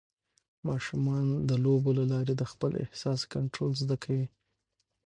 ماشومان د لوبو له لارې د خپل احساس کنټرول زده کوي.